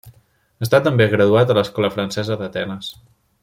Està també graduat a l'Escola Francesa d'Atenes.